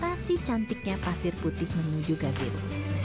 dan melintasi cantiknya pasir putih menuju gazebo